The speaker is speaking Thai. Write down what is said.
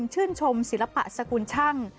ชื่นชมศิลปะสกุลช่าง